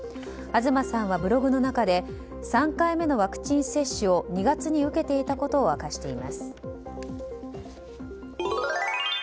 東さんはブログの中で３回目のワクチン接種を２月に受けていたことを明かしています。